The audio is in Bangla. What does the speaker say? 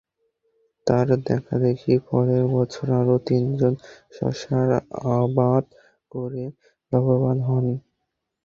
তাঁর দেখাদেখি পরের বছর আরও তিনজন শসার আবাদ করে লাভবান হন।